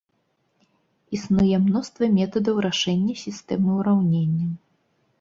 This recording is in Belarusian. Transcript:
Існуе мноства метадаў рашэння сістэмы ўраўненняў.